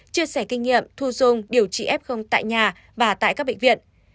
chia sẻ kinh nghiệm thu dung điều trị f tại nhà và tại các bệnh viện